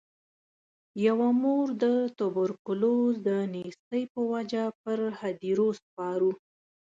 یوه مور د توبرکلوز د نیستۍ په وجه پر هدیرو سپارو.